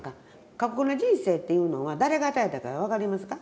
過酷な人生っていうのは誰が与えたか分かりますか？